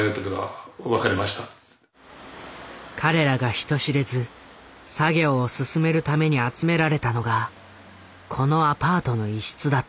彼らが人知れず作業を進めるために集められたのがこのアパートの一室だった。